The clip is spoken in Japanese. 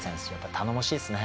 頼もしいですね。